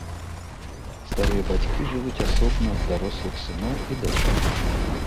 Старыя бацькі жывуць асобна ад дарослых сыноў і дачок.